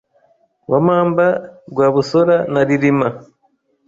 wa Mamba-Rwabusora na Rilima